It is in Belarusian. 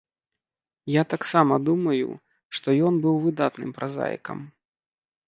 Я таксама думаю, што ён быў выдатным празаікам.